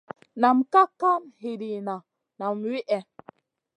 Na kaʼa kam hidina nam wihè.